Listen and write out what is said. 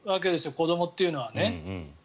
子どもというのはね。